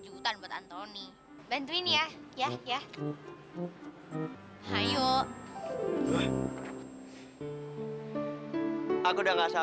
setelah poets luular kota